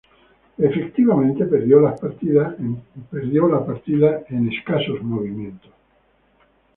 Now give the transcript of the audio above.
Efectivamente, perdió la partida en pocos movimientos.